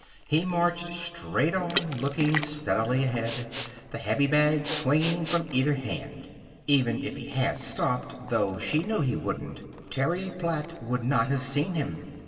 He marched straight on, looking steadily ahead, the heavy bags swinging from either hand. Even if he had stopped though she knew he wouldn't Terry Platt would not have seen him.